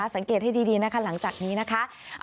สังเกตให้ดีนะคะหลังจากนี้นะคะ